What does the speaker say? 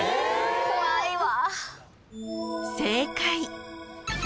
怖いわ。